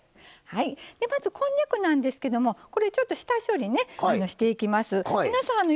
まずこんにゃくなんですけどもちょっと下処理をしていきます。